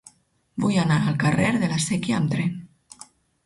Vull anar al carrer de la Sèquia amb tren.